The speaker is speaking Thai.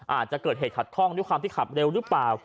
อาจจะเกิดเหตุขัดข้องด้วยความที่ขับเร็วหรือเปล่า